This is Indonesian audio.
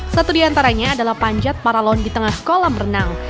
satu di antaranya adalah panjat paralon di tengah kolam renang